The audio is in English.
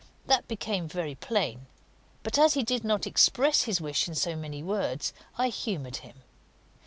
That became very plain; but as he did not express his wish in so many words, I humoured him.